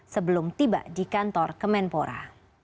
sebelum tiba di kantor kemenpora